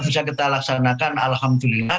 bisa kita laksanakan alhamdulillah